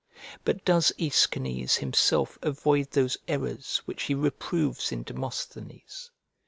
But does Aeschines himself avoid those errors which he reproves in Demosthenes?